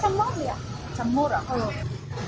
cái bao thùng bảo hảo